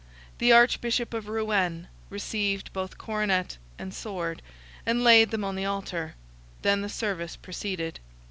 The Archbishop of Rouen received both coronet and sword, and laid them on the Altar. Then the service proceeded.